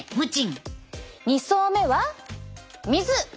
２層目は水。